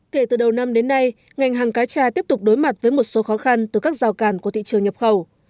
kể từ đầu năm đến nay ngành hàng cá trà tiếp tục đối mặt với một số khó khăn từ các rào cản của thị trường nhập khẩu